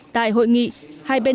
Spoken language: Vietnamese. tại hội nghị hai bên đảng